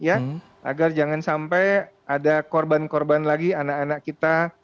agar jangan sampai ada korban korban lagi anak anak kita